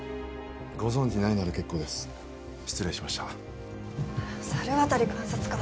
ご存じないなら結構です失礼しました猿渡監察官